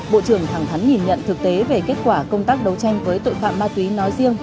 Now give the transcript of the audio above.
bộ trưởng thẳng thắn nhìn nhận thực tế về kết quả công tác đấu tranh với tội phạm ma túy nói riêng